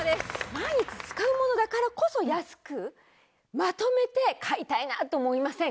毎日使うものだからこそ安くまとめて買いたいなって思いません？